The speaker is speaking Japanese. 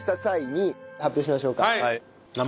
発表しましょうか。